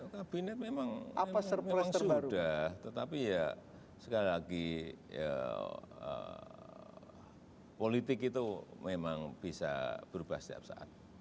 kabinet memang sudah tetapi ya sekali lagi politik itu memang bisa berubah setiap saat